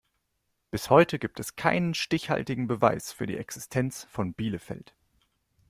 Bis heute gibt es keinen stichhaltigen Beweis für die Existenz von Bielefeld.